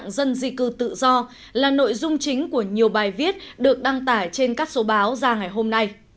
đây là nội dung chính của nhiều bài viết được đăng tải trên các số báo ra ngày hôm nay